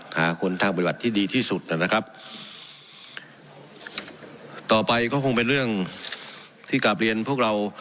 หาคนทางปฏิบัติที่ดีที่สุดนะครับต่อไปก็คงเป็นเรื่องที่กลับเรียนพวกเรา